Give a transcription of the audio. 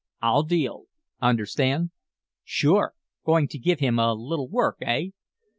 I'll deal. Understand?" "Sure! Going to give him a little 'work,' eh?"